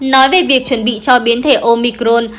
nói về việc chuẩn bị cho biến thể omicron